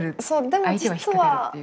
相手は引っ掛かるっていう。